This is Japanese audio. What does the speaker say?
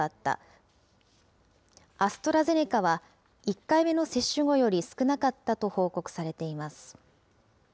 アストラゼネカは１回目の接種後より少なかったと報告されています。